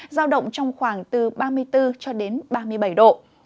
giao động trong khoảng từ ba mươi bốn ba mươi bảy độ